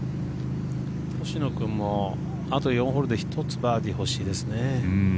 星野君もあと４ホールで１つバーディー欲しいですね。